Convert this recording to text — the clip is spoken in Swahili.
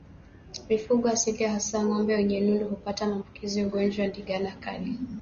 Mifugo asilia hasa ngombe wenye nundu hupata maambukizi ya ugonjwa wa ndigana kali